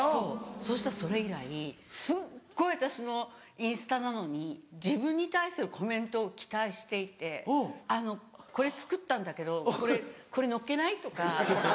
そしたらそれ以来すっごい私のインスタなのに自分に対するコメントを期待していて「あのこれ作ったんだけどこれ載っけない？」とか。